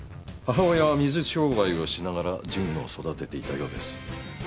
母親は水商売をしながら神野を育てていたようです。